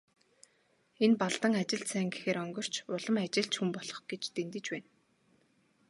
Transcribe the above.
Энэ Балдан ажилд сайн гэхээр онгирч, улам ажилч хүн болох гэж дэндэж байна.